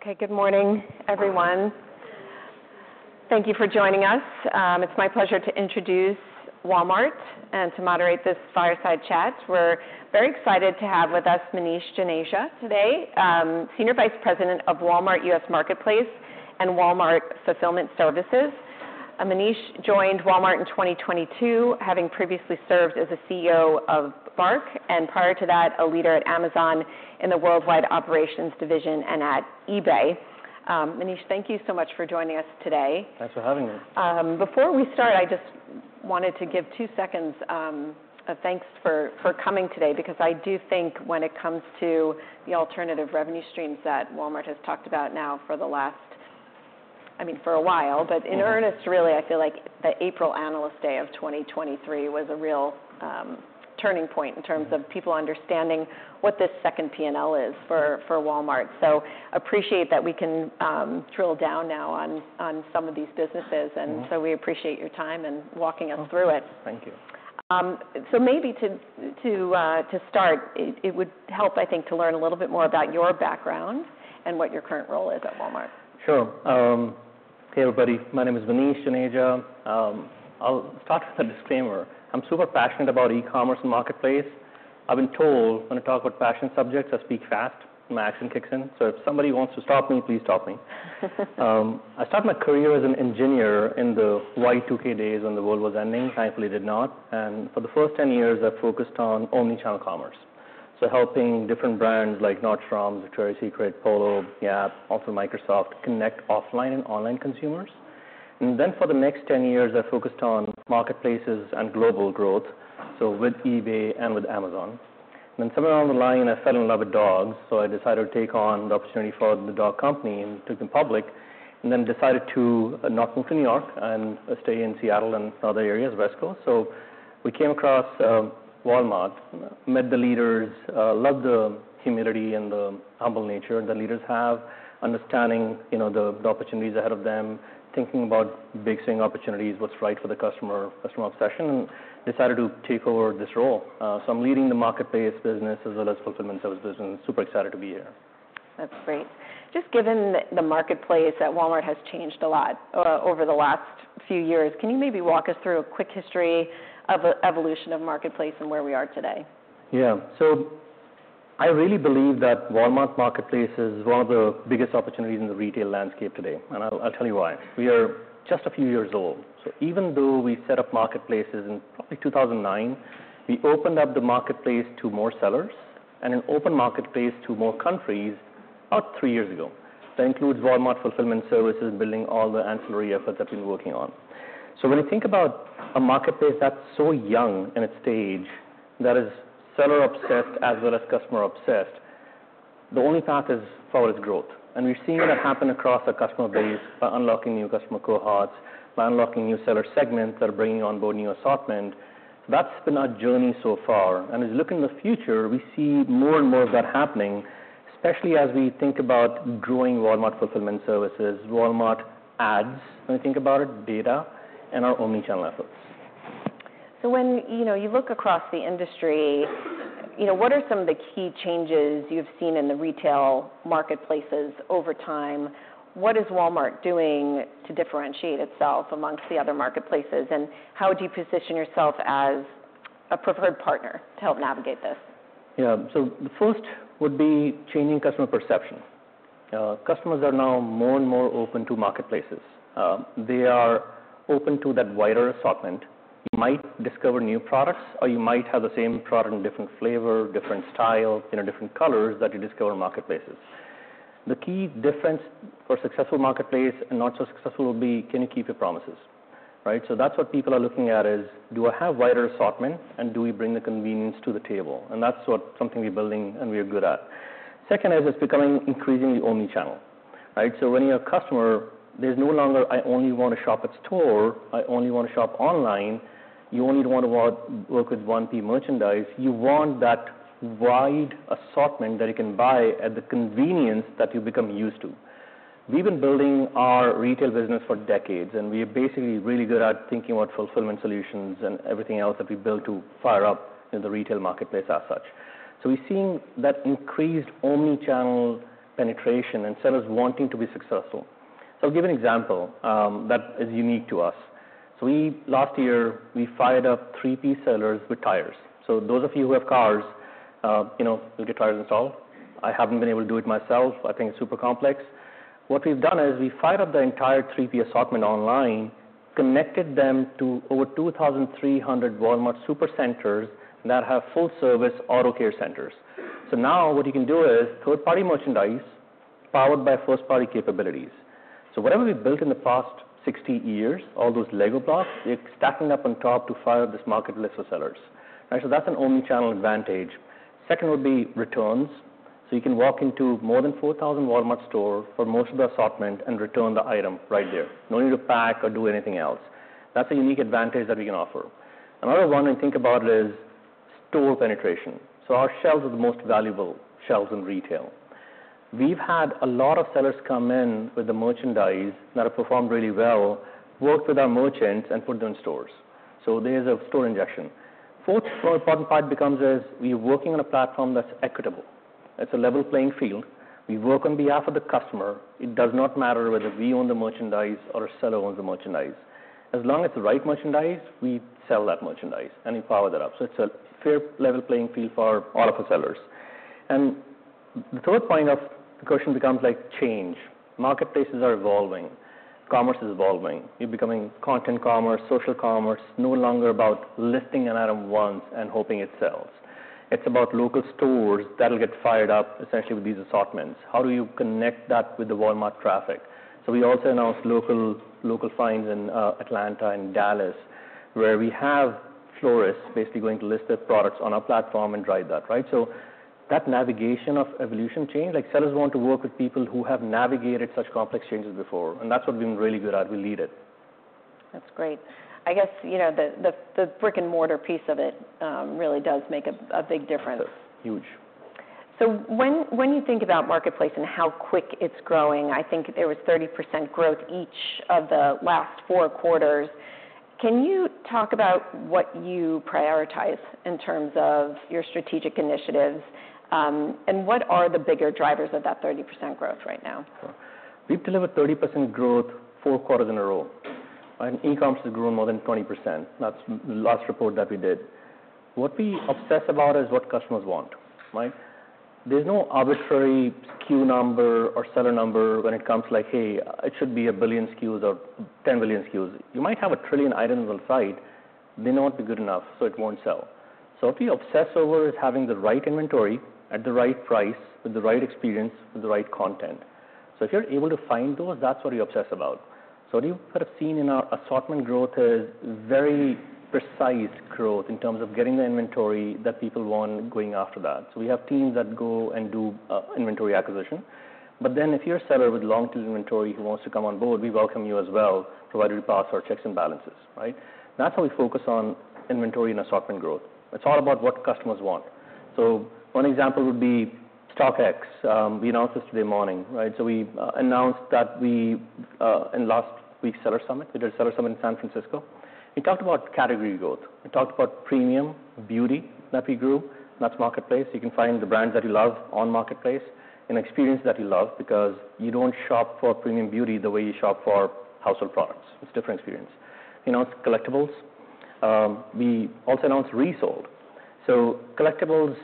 Okay, good morning, everyone. Thank you for joining us. It's my pleasure to introduce Walmart and to moderate this fireside chat. We're very excited to have with us Manish Joneja today, Senior Vice President of Walmart U.S. Marketplace and Walmart Fulfillment Services. Manish joined Walmart in 2022, having previously served as the CEO of Bark, and prior to that, a leader at Amazon in the Worldwide Operations division and at eBay. Manish, thank you so much for joining us today. Thanks for having me. Before we start, I just wanted to give two seconds of thanks for coming today, because I do think when it comes to the alternative revenue streams that Walmart has talked about now for the last- I mean, for a while- Mm-hmm. In earnest, really, I feel like the April Analyst Day of 2023 was a real turning point in terms of people understanding what this second P&L is for Walmart. Right. So appreciate that we can drill down now on some of these businesses. Mm-hmm. And so we appreciate your time and walking us through it. Thank you. So maybe to start, it would help, I think, to learn a little bit more about your background and what your current role is at Walmart. Sure. Hey, everybody, my name is Manish Joneja. I'll start with a disclaimer. I'm super passionate about e-commerce and marketplace. I've been told when I talk about passion subjects, I speak fast, my action kicks in. So if somebody wants to stop me, please stop me. I started my career as an engineer in the Y2K days when the world was ending. Thankfully, it did not. And for the first ten years, I focused on omnichannel commerce, so helping different brands like Nordstrom, Victoria's Secret, Polo, Gap, also Microsoft, connect offline and online consumers. And then for the next ten years, I focused on marketplaces and global growth, so with eBay and with Amazon. Then somewhere along the line, I fell in love with dogs, so I decided to take on the opportunity for the dog company and took them public, and then decided to not move to New York and stay in Seattle and other areas, West Coast. So we came across Walmart, met the leaders, loved the humility and the humble nature the leaders have, understanding, you know, the opportunities ahead of them, thinking about big, seeing opportunities, what's right for the customer, customer obsession, and decided to take over this role. So I'm leading the marketplace business as well as fulfillment service business, and super excited to be here. That's great. Just given the marketplace at Walmart has changed a lot, over the last few years, can you maybe walk us through a quick history of the evolution of marketplace and where we are today? Yeah, so I really believe that Walmart Marketplace is one of the biggest opportunities in the retail landscape today, and I'll, I'll tell you why. We are just a few years old, so even though we set up marketplaces in probably two thousand and nine, we opened up the marketplace to more sellers and an open marketplace to more countries about three years ago. That includes Walmart Fulfillment Services, building all the ancillary efforts I've been working on. So when you think about a marketplace that's so young in its stage, that is seller-obsessed as well as customer-obsessed, the only path is forward growth, and we've seen that happen across our customer base by unlocking new customer cohorts, by unlocking new seller segments that are bringing on board new assortment. That's been our journey so far, and as we look in the future, we see more and more of that happening, especially as we think about growing Walmart Fulfillment Services, Walmart ads, when we think about it, data, and our omnichannel efforts. So when, you know, you look across the industry, you know, what are some of the key changes you've seen in the retail marketplaces over time? What is Walmart doing to differentiate itself among the other marketplaces, and how do you position yourself as a preferred partner to help navigate this? Yeah. So the first would be changing customer perception. Customers are now more and more open to marketplaces. They are open to that wider assortment, might discover new products, or you might have the same product in different flavor, different style, you know, different colors that you discover in marketplaces. The key difference for a successful marketplace and not so successful will be, can you keep your promises? Right? So that's what people are looking at, is do I have wider assortment, and do we bring the convenience to the table? And that's what something we're building and we're good at. Second, is it's becoming increasingly omnichannel, right? So when you're a customer, there's no longer, "I only want to shop at store," "I only want to shop online." You only want to work with one piece of merchandise. You want that wide assortment that you can buy at the convenience that you've become used to. We've been building our retail business for decades, and we are basically really good at thinking about fulfillment solutions and everything else that we built to fire up in the retail marketplace as such. So we've seen that increased omnichannel penetration and sellers wanting to be successful. So give an example that is unique to us. So we last year, we fired up 3P sellers with tires. So those of you who have cars, you know, you get tires installed. I haven't been able to do it myself. I think it's super complex. What we've done is, we fired up the entire 3P assortment online, connected them to over 2,300 Walmart Supercenters that have full-service Auto Care Centers. So now what you can do is third-party merchandise powered by first-party capabilities. So whatever we've built in the past 60 years, all those LEGO blocks, we're stacking up on top to fire up this marketplace for sellers, right? So that's an omnichannel advantage. Second would be returns. So you can walk into more than 4,000 Walmart stores for most of the assortment and return the item right there. No need to pack or do anything else. That's a unique advantage that we can offer. Another one to think about is store penetration. So our shelves are the most valuable shelves in retail. We've had a lot of sellers come in with the merchandise that have performed really well, worked with our merchants, and put them in stores. So there's a store injection. Fourth, more important part becomes is we are working on a platform that's equitable. It's a level playing field. We work on behalf of the customer. It does not matter whether we own the merchandise or a seller owns the merchandise. As long as it's the right merchandise, we sell that merchandise, and we power that up. So it's a fair, level playing field for all of our sellers. The third point of the question becomes, like, change. Marketplaces are evolving. Commerce is evolving. You're becoming content commerce, social commerce, no longer about listing an item once and hoping it sells. It's about local stores that'll get fired up essentially with these assortments. How do you connect that with the Walmart traffic? So we also announced Local Finds in Atlanta and Dallas, where we have florists basically going to list their products on our platform and drive that, right? So, that navigation of evolutionary change, like, sellers want to work with people who have navigated such complex changes before, and that's what we've been really good at. We lead it. That's great. I guess, you know, the brick-and-mortar piece of it really does make a big difference. Huge. So when you think about Marketplace and how quick it's growing, I think there was 30% growth each of the last four quarters. Can you talk about what you prioritize in terms of your strategic initiatives, and what are the bigger drivers of that 30% growth right now? We've delivered 30% growth four quarters in a row, and e-commerce has grown more than 20%. That's last report that we did. What we obsess about is what customers want, right? There's no arbitrary SKU number or seller number when it comes to like, "Hey, it should be a billion SKUs or 10 billion SKUs." You might have a trillion items on site, may not be good enough, so it won't sell. So what we obsess over is having the right inventory at the right price, with the right experience, with the right content. So if you're able to find those, that's what we obsess about. So what you could have seen in our assortment growth is very precise growth in terms of getting the inventory that people want and going after that. So we have teams that go and do inventory acquisition. But then, if you're a seller with long-tail inventory who wants to come on board, we welcome you as well, provided you pass our checks and balances, right? That's how we focus on inventory and assortment growth. It's all about what customers want. So one example would be StockX. We announced this morning, right? So we announced that in last week's Seller Summit, we did a Seller Summit in San Francisco. We talked about category growth. We talked about Premium Beauty that we grew. That's Marketplace. You can find the brands that you love on Marketplace, an experience that you love, because you don't shop for Premium Beauty the way you shop for household products. It's a different experience. We announced collectibles. We also announced Resold. So, collectibles: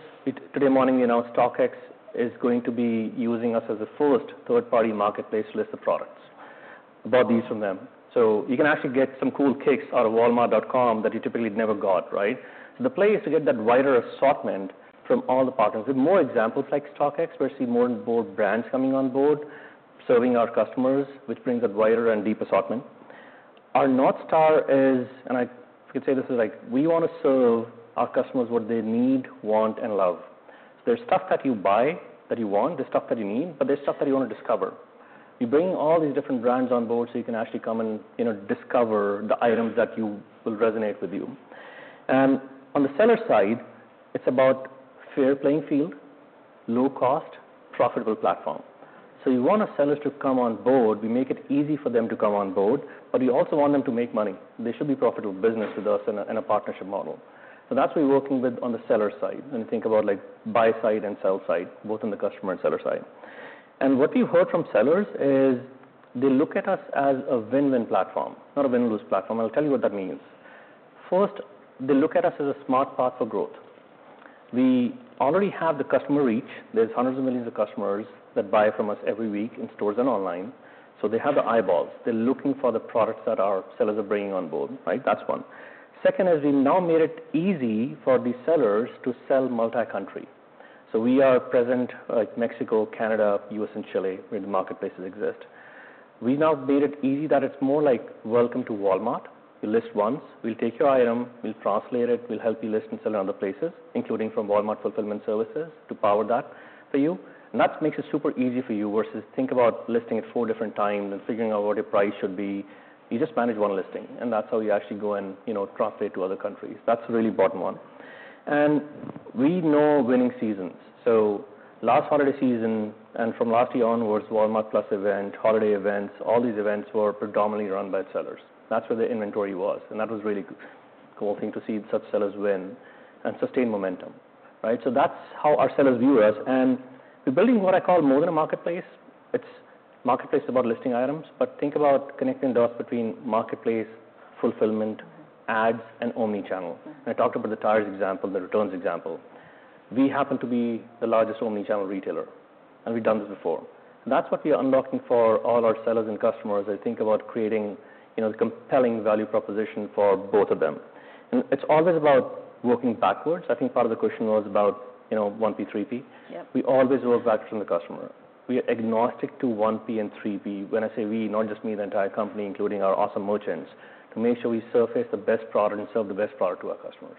today morning, we announced StockX is going to be using us as the first third-party marketplace to list the products. Buy these from them. So you can actually get some cool kicks out of Walmart.com that you typically never got, right? So the place to get that wider assortment from all the partners. With more examples like StockX, we're seeing more and more brands coming on board, serving our customers, which brings a wider and deeper assortment. Our North Star is, and I could say this is like, we want to sell our customers what they need, want, and love. There's stuff that you buy, that you want; there's stuff that you need, but there's stuff that you want to discover. You bring all these different brands on board, so you can actually come and, you know, discover the items that will resonate with you. On the seller side, it's about fair playing field, low cost, profitable platform. We want our sellers to come on board. We make it easy for them to come on board, but we also want them to make money. They should be profitable business with us in a partnership model. That's what we're working with on the seller side, when you think about, like, buy side and sell side, both on the customer and seller side. What we heard from sellers is they look at us as a win-win platform, not a win-lose platform. I'll tell you what that means. First, they look at us as a smart path for growth. We already have the customer reach. There's hundreds of millions of customers that buy from us every week in stores and online, so they have the eyeballs. They're looking for the products that our sellers are bringing on board, right? That's one. Second is, we've now made it easy for these sellers to sell multi-country. So we are present like Mexico, Canada, U.S., and Chile, where the marketplaces exist. We've now made it easy that it's more like, welcome to Walmart. You list once, we'll take your item, we'll translate it, we'll help you list and sell in other places, including from Walmart Fulfillment Services to power that for you. And that makes it super easy for you, versus think about listing it four different times and figuring out what your price should be. You just manage one listing, and that's how you actually go and, you know, translate to other countries. That's a really important one. And we know winning seasons. So last holiday season, and from last year onwards, Walmart+ event, holiday events, all these events were predominantly run by sellers. That's where the inventory was, and that was really cool thing to see such sellers win and sustain momentum, right? So that's how our sellers view us, and we're building what I call more than a marketplace. It's marketplace about listing items, but think about connecting the dots between marketplace, fulfillment, ads, and omnichannel. Mm-hmm. I talked about the tires example, the returns example. We happen to be the largest omnichannel retailer, and we've done this before. That's what we are unlocking for all our sellers and customers. They think about creating, you know, the compelling value proposition for both of them, and it's always about working backwards. I think part of the question was about, you know, 1P, 3P. Yep. We always work back from the customer. We are agnostic to 1P and 3P. When I say we, not just me, the entire company, including our awesome merchants, to make sure we surface the best product and sell the best product to our customers.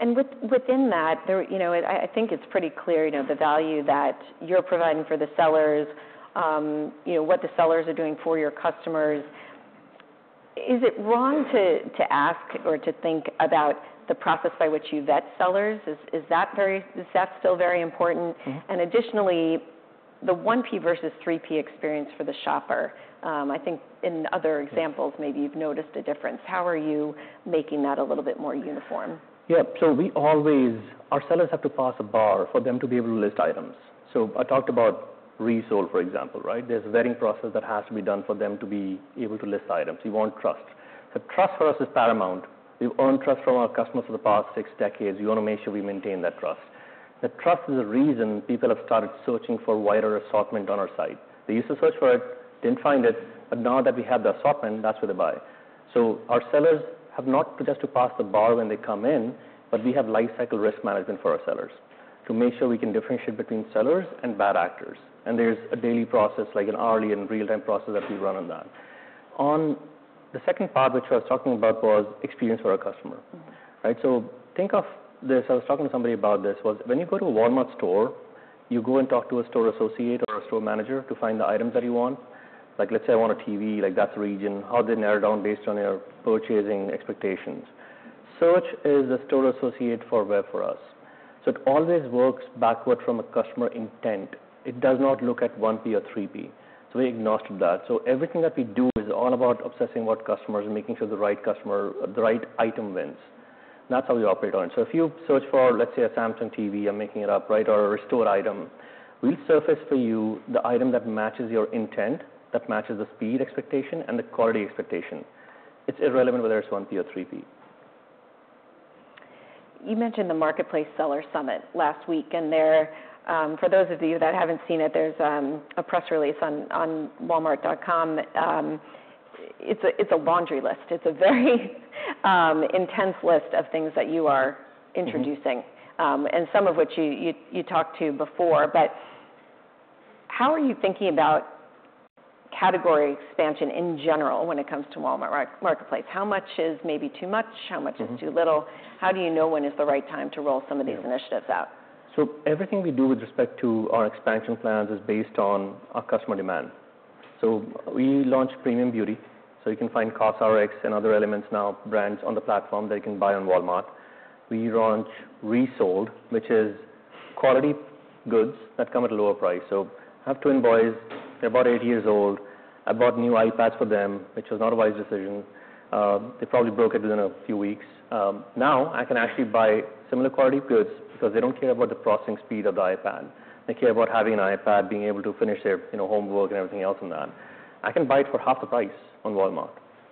And within that, you know, I think it's pretty clear, you know, the value that you're providing for the sellers, you know, what the sellers are doing for your customers. Is it wrong to ask or to think about the process by which you vet sellers? Is that still very important? Mm-hmm. The 1P versus 3P experience for the shopper, I think in other examples, maybe you've noticed a difference. How are you making that a little bit more uniform? Yeah. So we always, our sellers have to pass a bar for them to be able to list items. So I talked about Resold, for example, right? There's a vetting process that has to be done for them to be able to list items. You want trust. So trust for us is paramount. We've earned trust from our customers for the past six decades. We want to make sure we maintain that trust. The trust is a reason people have started searching for wider assortment on our site. They used to search for it, didn't find it, but now that we have the assortment, that's where they buy. So our sellers have not just to pass the bar when they come in, but we have lifecycle risk management for our sellers to make sure we can differentiate between sellers and bad actors. There's a daily process, like an hourly and real-time process, that we run on that. On the second part, which I was talking about, was experience for our customer. Mm-hmm. Right? So think of this. I was talking to somebody about this, was when you go to a Walmart store, you go and talk to a store associate or a store manager to find the items that you want. Like, let's say I want a TV, like that's the reason, how they narrow down based on your purchasing expectations. Search is a store associate for web for us. So it always works backward from a customer intent. It does not look at 1P or 3P, so we ignored that. So everything that we do is all about obsessing what customers and making sure the right customer, the right item wins. That's how we operate on. So if you search for, let's say, a Samsung TV, I'm making it up, right, or a restored item, we surface for you the item that matches your intent, that matches the speed expectation and the quality expectation. It's irrelevant whether it's 1P or 3P. You mentioned the Marketplace Seller Summit last week, and there, for those of you that haven't seen it, there's a press release on Walmart.com. It's a laundry list. It's a very intense list of things that you are, Mm-hmm Introducing, and some of which you talked to before. But how are you thinking about category expansion in general when it comes to Walmart Marketplace? How much is maybe too much? Mm-hmm. How much is too little? How do you know when is the right time to roll some of these initiatives out? So everything we do with respect to our expansion plans is based on our customer demand. So we launched Premium Beauty, so you can find COSRX and other elements now, brands on the platform that you can buy on Walmart. We launched Resold, which is quality goods that come at a lower price. So I have twin boys, they're about eight years old. I bought new iPads for them, which was not a wise decision. They probably broke it within a few weeks. Now, I can actually buy similar quality goods because they don't care about the processing speed of the iPad. They care about having an iPad, being able to finish their, you know, homework and everything else on that. I can buy it for half the price on Walmart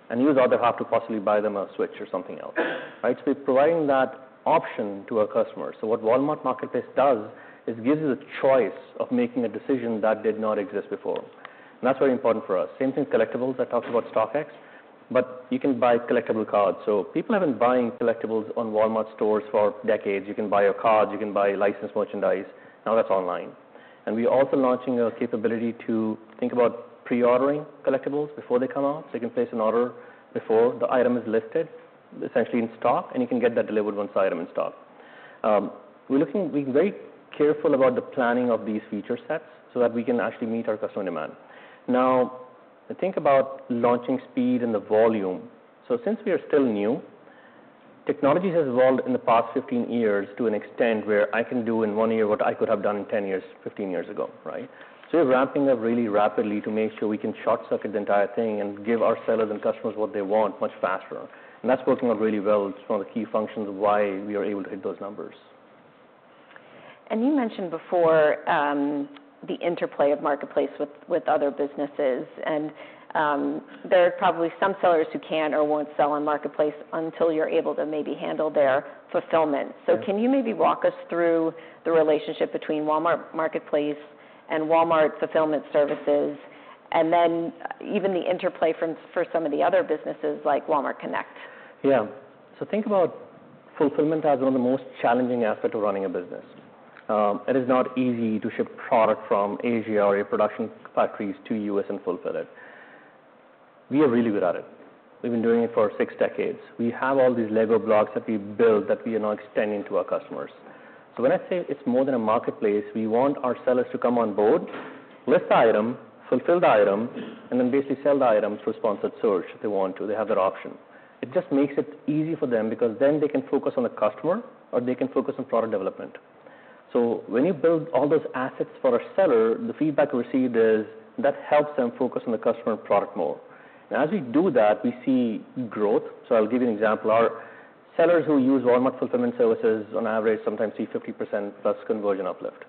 and use the other half to possibly buy them a Switch or something else. Right? We're providing that option to our customers. What Walmart Marketplace does is gives you the choice of making a decision that did not exist before. And that's very important for us. Same thing, collectibles. I talked about StockX, but you can buy collectible cards. People have been buying collectibles on Walmart stores for decades. You can buy your cards, you can buy licensed merchandise. Now, that's online. And we're also launching a capability to think about pre-ordering collectibles before they come out. You can place an order before the item is listed, essentially in stock, and you can get that delivered once the item is in stock. We're very careful about the planning of these feature sets so that we can actually meet our customer demand. Now, think about launching speed and the volume. So since we are still new, technologies has evolved in the past 15 years to an extent where I can do in one year what I could have done in 10 years, 15 years ago, right? So we're ramping up really rapidly to make sure we can short-circuit the entire thing and give our sellers and customers what they want much faster. And that's working out really well. It's one of the key functions of why we are able to hit those numbers. And you mentioned before, the interplay of Marketplace with other businesses, and there are probably some sellers who can or won't sell on Marketplace until you're able to maybe handle their fulfillment. Yeah. So can you maybe walk us through the relationship between Walmart Marketplace and Walmart Fulfillment Services, and then even the interplay for some of the other businesses like Walmart Connect? Yeah. So think about fulfillment as one of the most challenging aspect of running a business. It is not easy to ship product from Asia or a production factories to U.S. and fulfill it. We are really good at it. We've been doing it for six decades. We have all these Lego blocks that we've built that we are now extending to our customers. So when I say it's more than a marketplace, we want our sellers to come on board, list the item, fulfill the item, and then basically sell the items through Sponsored Search if they want to. They have that option. It just makes it easy for them because then they can focus on the customer, or they can focus on product development. When you build all those assets for a seller, the feedback we see is that helps them focus on the customer and product more. As we do that, we see growth. I'll give you an example. Our sellers who use Walmart Fulfillment Services, on average, sometimes see 50%+ conversion uplift.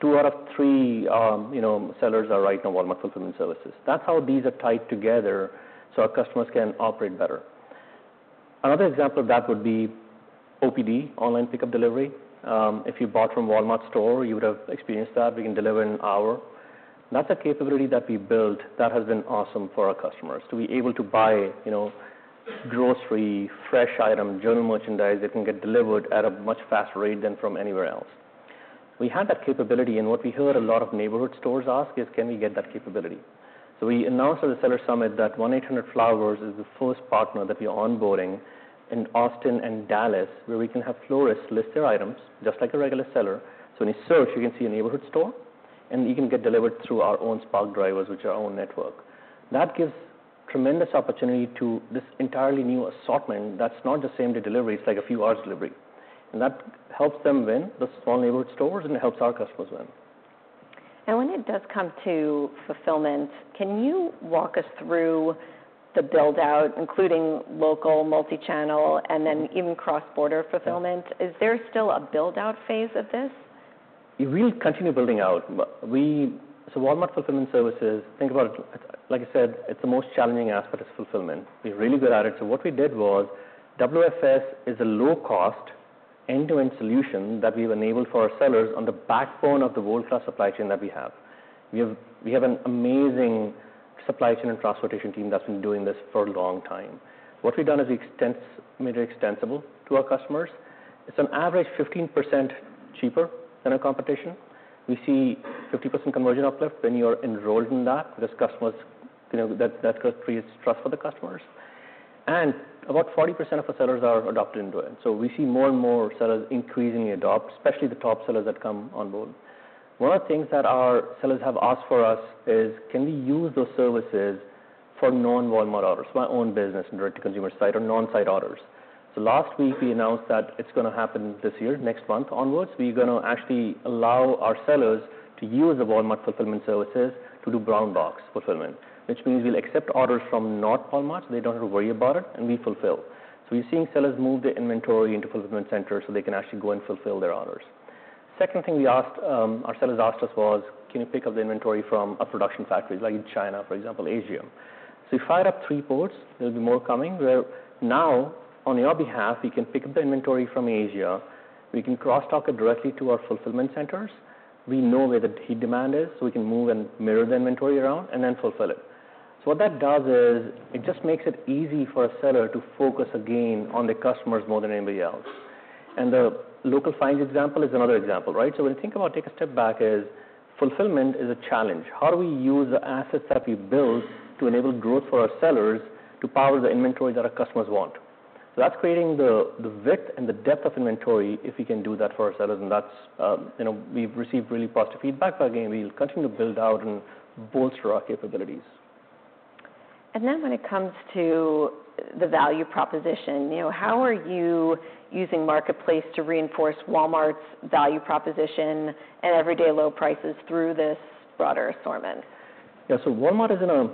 Two out of three, you know, sellers are right on Walmart Fulfillment Services. That's how these are tied together, so our customers can operate better. Another example of that would be OPD, Online Pickup and Delivery. If you bought from Walmart store, you would have experienced that. We can deliver in an hour. That's a capability that we built that has been awesome for our customers, to be able to buy, you know, grocery, fresh item, general merchandise, that can get delivered at a much faster rate than from anywhere else. We had that capability, and what we heard a lot of neighborhood stores ask is: Can we get that capability? So we announced at the Seller Summit that One 800 Flowers is the first partner that we are onboarding in Austin and Dallas, where we can have florists list their items just like a regular seller. So when you search, you can see a neighborhood store, and you can get delivered through our own Spark drivers, which are our own network. That gives tremendous opportunity to this entirely new assortment that's not the same day delivery, it's like a few hours delivery, and that helps them win the small neighborhood stores, and it helps our customers win. When it does come to fulfillment, can you walk us through the build-out, including local, multi-channel, and then even cross-border fulfillment? Yeah. Is there still a build-out phase of this? We will continue building out. Walmart Fulfillment Services, think about it, like I said, it's the most challenging aspect is fulfillment. We're really good at it. What we did was, WFS is a low-cost, end-to-end solution that we've enabled for our sellers on the backbone of the world-class supply chain that we have. We have an amazing supply chain and transportation team that's been doing this for a long time. What we've done is made it extensible to our customers. It's on average 15% cheaper than our competition. We see 50% conversion uplift when you're enrolled in that. Those customers, you know, that creates trust for the customers. About 40% of our sellers are adopted into it. We see more and more sellers increasingly adopt, especially the top sellers that come on board. One of the things that our sellers have asked for us is: Can we use those services for non-Walmart orders, my own business, and direct-to-consumer site or non-site orders? So last week, we announced that it's gonna happen this year. Next month onward, we're gonna actually allow our sellers to use the Walmart Fulfillment Services to do Brown Box fulfillment, which means we'll accept orders from not Walmart, they don't have to worry about it, and we fulfill. So we're seeing sellers move their inventory into fulfillment centers so they can actually go and fulfill their orders. Second thing we asked, our sellers asked us was: Can you pick up the inventory from a production factory, like in China, for example, Asia? So we fired up three ports. There'll be more coming, where now, on your behalf, we can pick up the inventory from Asia. We can cross-dock it directly to our fulfillment centers. We know where the heat demand is, so we can move and mirror the inventory around and then fulfill it. So what that does is, it just makes it easy for a seller to focus again on the customers more than anybody else. And the Local Finds example is another example, right? So when you think about, take a step back. Fulfillment is a challenge. How do we use the assets that we build to enable growth for our sellers to power the inventory that our customers want? So that's creating the width and the depth of inventory, if we can do that for our sellers, and that's, you know, we've received really positive feedback. But again, we'll continue to build out and bolster our capabilities. When it comes to the value proposition, you know, how are you using Marketplace to reinforce Walmart's value proposition and everyday low prices through this broader assortment? Yeah. So Walmart is in a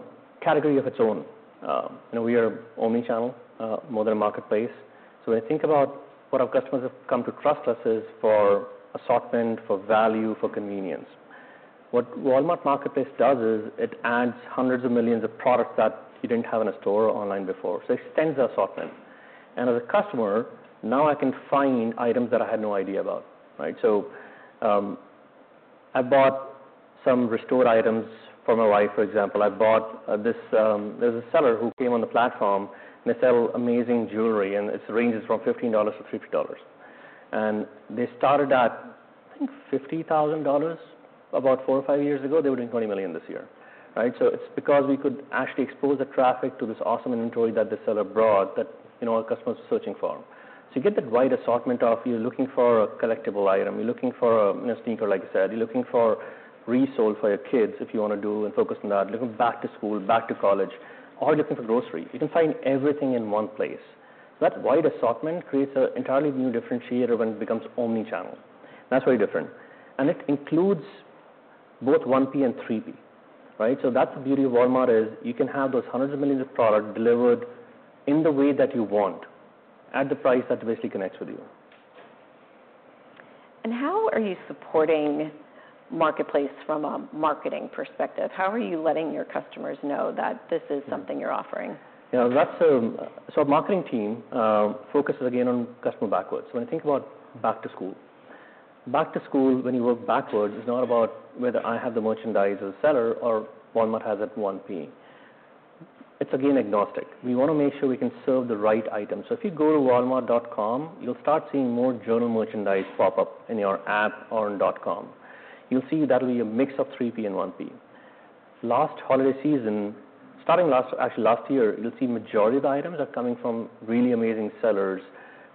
category of its own. You know, we are omnichannel, more than a marketplace. So when you think about what our customers have come to trust us is for assortment, for value, for convenience. What Walmart Marketplace does is, it adds hundreds of millions of products that you didn't have in a store or online before, so it extends the assortment. And as a customer, now I can find items that I had no idea about, right? So, I bought some Resold items for my wife, for example. I bought this. There's a seller who came on the platform, and they sell amazing jewelry, and it ranges from $15-$50. And they started at, I think, $50,000 about four or five years ago. They were doing $20 million this year, right? So it's because we could actually expose the traffic to this awesome inventory that the seller brought, that, you know, our customers are searching for. So you get that wide assortment of you're looking for a collectible item, you're looking for a, you know, sneaker, like I said, you're looking for Resold for your kids, if you wanna do and focus on that, looking back to school, back to college, or looking for groceries. You can find everything in one place. That wide assortment creates an entirely new differentiator when it becomes omnichannel. That's very different, and it includes both 1P and 3P, right? So that's the beauty of Walmart, is you can have those hundreds of millions of products delivered in the way that you want, at the price that basically connects with you. How are you supporting Marketplace from a marketing perspective? How are you letting your customers know that this is something you're offering? Yeah, that's, so our marketing team focuses again on customer backwards. When I think about back to school, when you work backwards, is not about whether I have the merchandise as a seller or Walmart has it 1P. It's again, agnostic. We wanna make sure we can serve the right item. So if you go to walmart.com, you'll start seeing more general merchandise pop up in your app or on .com. You'll see that'll be a mix of 3P and 1P. Last holiday season, starting last, actually, last year, you'll see majority of the items are coming from really amazing sellers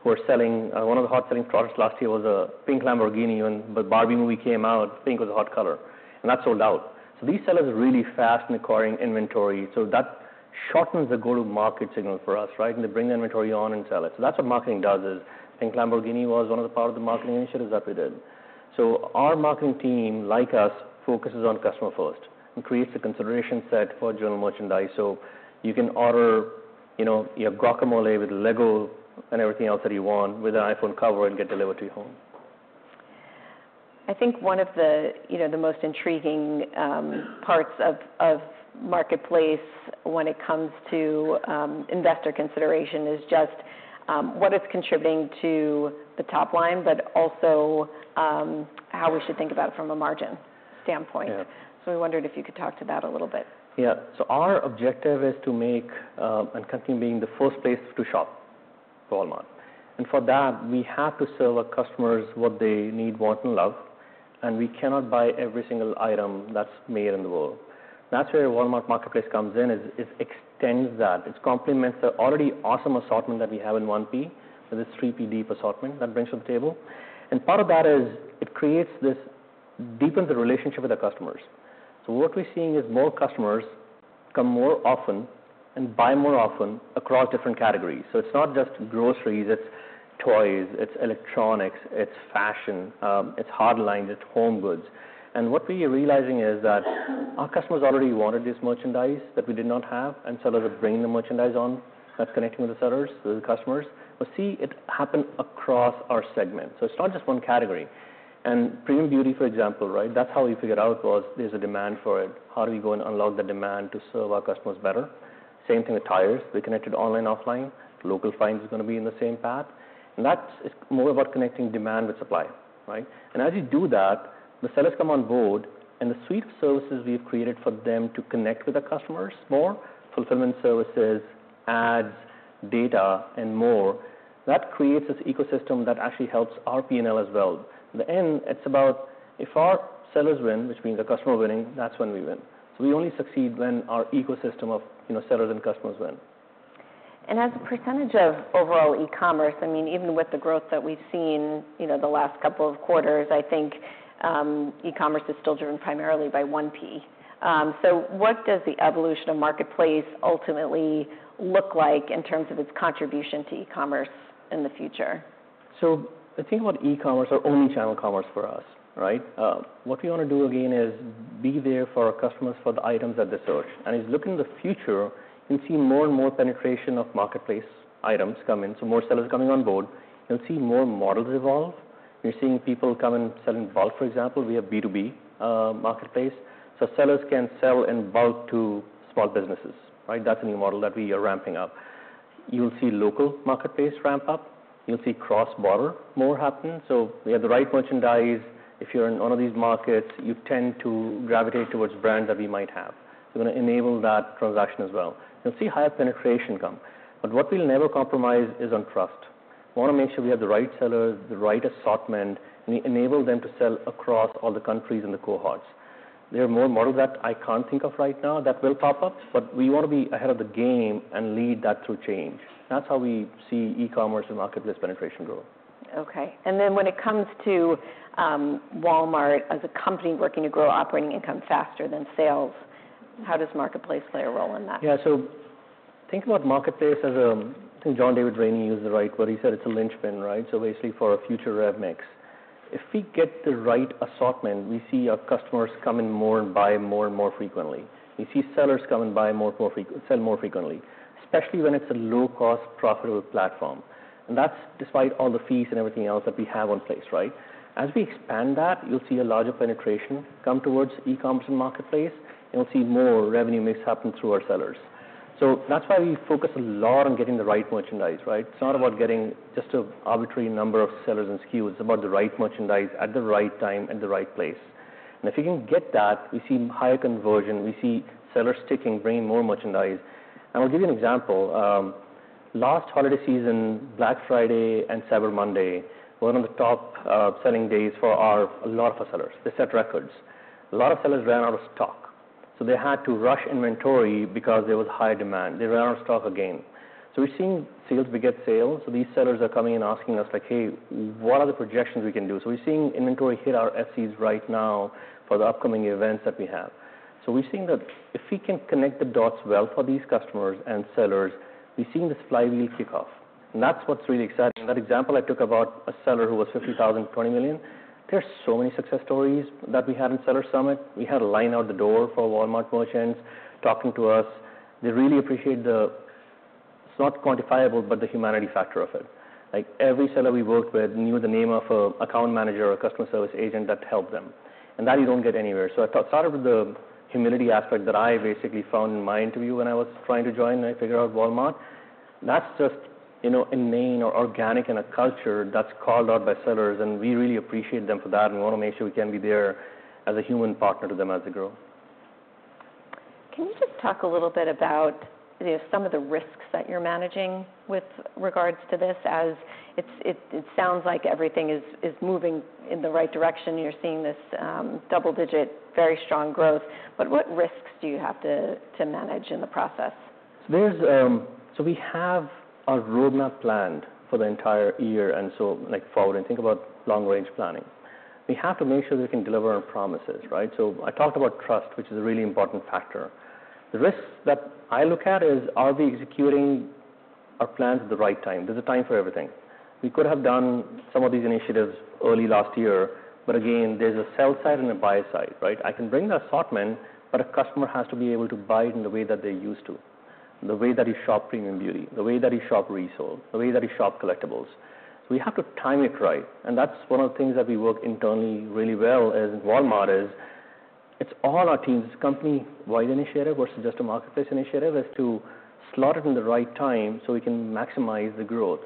who are selling, one of the hot-selling products last year was a pink Lamborghini. When the Barbie movie came out, pink was a hot color, and that sold out. These sellers are really fast in acquiring inventory, so that shortens the go-to-market signal for us, right? And they bring the inventory on and sell it. So that's what marketing does, is pink Lamborghini was one of the part of the marketing initiatives that we did. So our marketing team, like us, focuses on customer first, increase the consideration set for general merchandise, so you can order, you know, your guacamole with LEGO and everything else that you want, with an iPhone cover, and get delivered to your home. I think one of the, you know, the most intriguing parts of Marketplace when it comes to investor consideration is just what it's contributing to the top line, but also how we should think about it from a margin standpoint. Yeah. So I wondered if you could talk to that a little bit. Yeah. So our objective is to make and continue being the first place to shop for Walmart. And for that, we have to sell our customers what they need, want, and love, and we cannot buy every single item that's made in the world. That's where Walmart Marketplace comes in, is it extends that. It complements the already awesome assortment that we have in 1P, with this 3P deep assortment that brings to the table. And part of that is, it deepens the relationship with the customers. So what we're seeing is more customers come more often and buy more often across different categories. So it's not just groceries, it's toys, it's electronics, it's fashion, it's hardlines, it's home goods. And what we are realizing is that our customers already wanted this merchandise that we did not have, and so they were bringing the merchandise on that's connecting with the sellers, with the customers. But see, it happened across our segment, so it's not just one category. And Premium Beauty, for example, right? That's how we figured out was there's a demand for it. How do we go and unlock the demand to serve our customers better? Same thing with tires. We connected online, offline. Local Finds is gonna be in the same path, and that's more about connecting demand with supply, right? And as you do that, the sellers come on board, and the suite of services we've created for them to connect with the customers more, fulfillment services, ads, data, and more, that creates this ecosystem that actually helps our P&L as well. In the end, it's about if our sellers win, which means the customer winning, that's when we win. So we only succeed when our ecosystem of, you know, sellers and customers win. And as a percentage of overall e-commerce, I mean, even with the growth that we've seen, you know, the last couple of quarters, I think, e-commerce is still driven primarily by 1P. So what does the evolution of Marketplace ultimately look like in terms of its contribution to e-commerce in the future? So the thing about e-commerce or omnichannel commerce for us, right? What we wanna do again is be there for our customers for the items that they search. And as you look in the future, you'll see more and more penetration of Marketplace items come in, so more sellers coming on board. You'll see more models evolve. You're seeing people come and sell in bulk, for example. We have B2B marketplace. So sellers can sell in bulk to small businesses, right? That's a new model that we are ramping up. You'll see local Marketplace ramp up. You'll see cross-border more happen. So we have the right merchandise. If you're in one of these markets, you tend to gravitate towards brands that we might have. We're gonna enable that transaction as well. You'll see higher penetration come, but what we'll never compromise is on trust. We wanna make sure we have the right sellers, the right assortment, and we enable them to sell across all the countries and the cohorts. There are more models that I can't think of right now that will pop up, but we wanna be ahead of the game and lead that through change. That's how we see e-commerce and Marketplace penetration grow. Okay, and then when it comes to Walmart as a company working to grow operating income faster than sales, how does Marketplace play a role in that? Yeah, so think about Marketplace as a, I think John David Rainey used the right word. He said it's a linchpin, right? So basically, for our future rev mix. If we get the right assortment, we see our customers come in more and buy more and more frequently. We see sellers come and buy more frequently, sell more frequently, especially when it's a low-cost, profitable platform. And that's despite all the fees and everything else that we have in place, right? As we expand that, you'll see a larger penetration come towards e-commerce and Marketplace, and we'll see more revenue mix happen through our sellers. So that's why we focus a lot on getting the right merchandise, right? It's not about getting just an arbitrary number of sellers and SKUs. It's about the right merchandise at the right time and the right place. And if you can get that, we see higher conversion. We see sellers sticking, bringing more merchandise. And I'll give you an example. Last holiday season, Black Friday and Cyber Monday were one of the top selling days for a lot of our sellers. They set records. A lot of sellers ran out of stock, so they had to rush inventory because there was high demand. They ran out of stock again. So we've seen sales. We get sales, so these sellers are coming in asking us like: "Hey, what are the projections we can do?" So we're seeing inventory hit our FCs right now for the upcoming events that we have. So we're seeing that if we can connect the dots well for these customers and sellers, we're seeing the flywheel kick off, and that's what's really exciting. That example I took about a seller who was fifty thousand, twenty million. There are so many success stories that we had in Seller Summit. We had a line out the door for Walmart merchants talking to us. They really appreciate the, it's not quantifiable, but the humanity factor of it. Like, every seller we worked with knew the name of an account manager or customer service agent that helped them, and that you don't get anywhere. So I thought sort of the humility aspect that I basically found in my interview when I was trying to join. I figured out Walmart. That's just, you know, innate or organic in a culture that's called out by sellers, and we really appreciate them for that, and we wanna make sure we can be there as a human partner to them as they grow. Can you just talk a little bit about, you know, some of the risks that you're managing with regards to this? As it sounds like everything is moving in the right direction. You're seeing this double digit, very strong growth, but what risks do you have to manage in the process? There's, so we have a roadmap planned for the entire year, and so, like, forward, and think about long-range planning. We have to make sure we can deliver on promises, right? So I talked about trust, which is a really important factor. The risks that I look at is: Are we executing our plans at the right time? There's a time for everything. We could have done some of these initiatives early last year, but again, there's a sell side and a buy side, right? I can bring the assortment, but a customer has to be able to buy it in the way that they're used to, the way that they shop Premium Beauty, the way that they shop Resold, the way that they shop collectibles. So we have to time it right, and that's one of the things that we work internally really well as Walmart is. It's all our teams. It's a company-wide initiative versus just a Marketplace initiative to slot it in the right time so we can maximize the growth.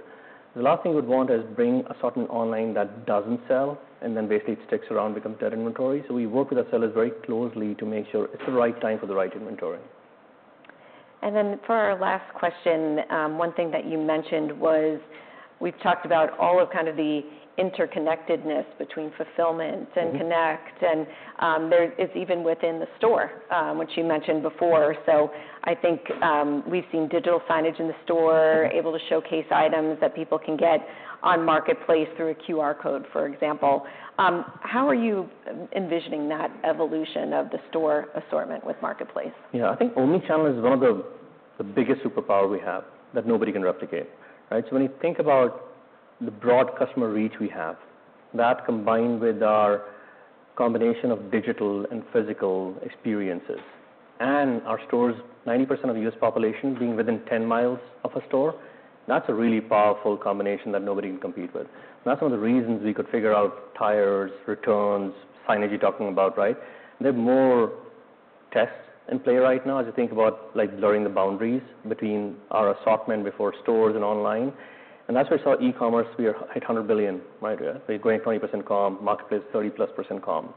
The last thing we'd want is bring assortment online that doesn't sell, and then basically it sticks around, becomes dead inventory. So we work with our sellers very closely to make sure it's the right time for the right inventory. And then, for our last question, one thing that you mentioned was we've talked about all of kind of the interconnectedness between fulfillment- Mm-hmm. - and Connect, and, there is even within the store, which you mentioned before. So I think, we've seen digital signage in the store, able to showcase items that people can get on Marketplace through a QR code, for example. How are you envisioning that evolution of the store assortment with Marketplace? Yeah, I think omnichannel is one of the biggest superpower we have that nobody can replicate, right? So when you think about the broad customer reach we have, that combined with our combination of digital and physical experiences and our stores, 90% of the U.S. population being within 10 miles of a store, that's a really powerful combination that nobody can compete with. That's one of the reasons we could figure out tires, returns, signage you're talking about, right? There are more tests in play right now as you think about, like, blurring the boundaries between our assortment before stores and online, and that's where I saw e-commerce, we are at 100 billion, right? We're growing at 20% comp, Marketplace, 30%+ comp.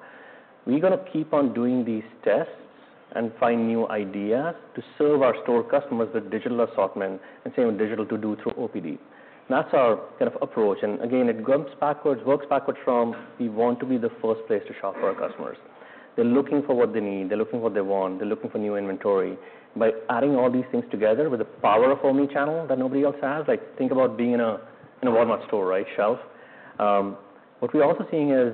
We're gonna keep on doing these tests and find new ideas to serve our store customers with digital assortment and same with digital to-do through OPD. That's our kind of approach, and again, it goes backwards, works backwards from, we want to be the first place to shop for our customers. They're looking for what they need. They're looking for what they want. They're looking for new inventory. By adding all these things together with the power of omnichannel that nobody else has, like, think about being in a, in a Walmart store, right? Shelf. What we're also seeing is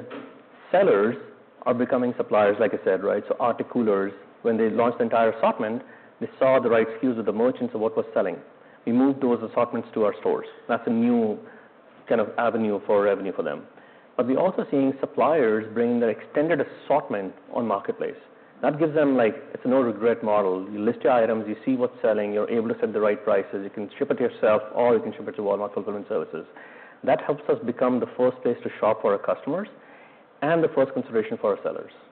sellers are becoming suppliers, like I said, right? So RTIC Coolers, when they launched the entire assortment, they saw the right SKUs of the merchants of what was selling. We moved those assortments to our stores. That's a new kind of avenue for revenue for them. But we're also seeing suppliers bringing their extended assortment on Marketplace. That gives them, like, it's a no-regret model. You list your items, you see what's selling, you're able to set the right prices, you can ship it yourself, or you can ship it to Walmart Fulfillment Services. That helps us become the first place to shop for our customers and the first consideration for our sellers.